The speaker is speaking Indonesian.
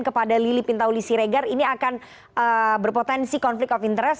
kepada lili pintau lisi regar ini akan berpotensi konflik of interest